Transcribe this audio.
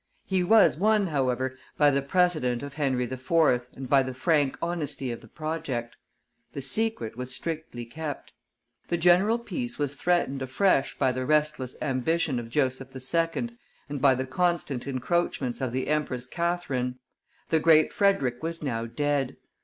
He was won, however, by the precedent of Henry IV. and by the frank honesty of the project. The secret was strictly kept. The general peace was threatened afresh by the restless ambition of Joseph II. and by the constant encroachments of the Empress Catherine. The Great Frederick was now dead.